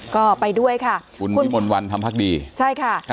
ก็ไปด้วยค่ะคุณพี่มนต์วันทำพักดีใช่ค่ะ